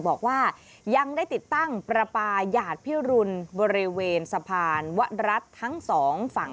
บอกว่ายังได้ติดตั้งประปาหยาดพิรุณบริเวณสะพานวรัฐทั้งสองฝั่ง